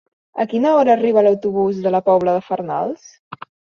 A quina hora arriba l'autobús de la Pobla de Farnals?